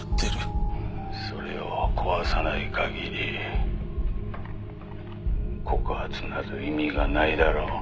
「それを壊さない限り告発など意味がないだろ？」